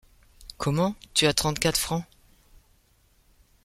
Comment, tu as trente-quatre francs ?